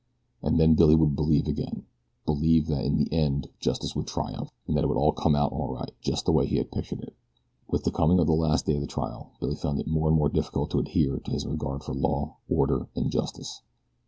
And then Billy would believe again believe that in the end justice would triumph and that it would all come out right, just the way he had pictured it. With the coming of the last day of the trial Billy found it more and more difficult to adhere to his regard for law, order, and justice.